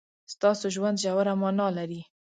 ستاسو ژوند ژوره مانا لري.